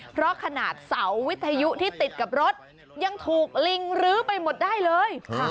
เพราะขนาดเสาวิทยุที่ติดกับรถยังถูกลิงลื้อไปหมดได้เลย